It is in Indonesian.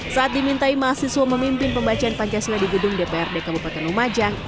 saat dimintai mahasiswa memimpin pembacaan pancasila di gedung dprd kabupaten lumajang